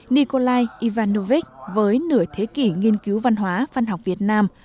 nikolai ivanovic với nửa thế kỷ nghiên cứu văn hóa văn học việt nam